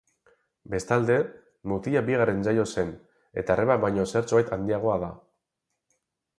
Bestalde, mutila bigarren jaio zen eta arreba baino zertxobait handiagoa da.